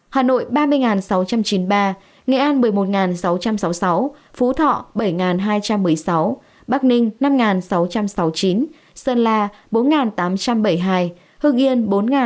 hà nội ba mươi sáu trăm chín mươi ba nghệ an một mươi một sáu trăm sáu mươi sáu phú thọ bảy hai trăm một mươi sáu bắc ninh năm sáu trăm sáu mươi chín sơn la bốn tám trăm bảy mươi hai hương yên bốn bốn trăm chín mươi hai